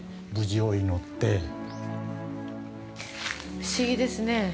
不思議ですね。